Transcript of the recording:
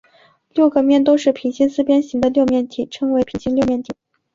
六个面都是平行四边形的六面体称为平行六面体。